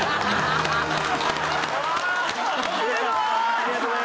ありがとうございます。